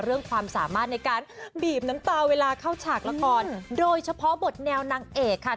ความสามารถในการบีบน้ำตาเวลาเข้าฉากละครโดยเฉพาะบทแนวนางเอกค่ะ